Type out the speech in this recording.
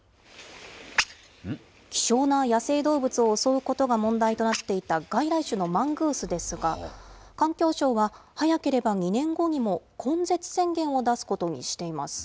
希少な野生動物を襲うことが問題となっていた外来種のマングースですが、環境省は、早ければ２年後にも根絶宣言を出すことにしています。